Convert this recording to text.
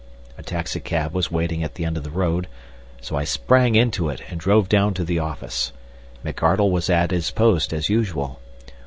A taxicab was waiting at the end of the road, so I sprang into it and drove down to the office. McArdle was at his post as usual.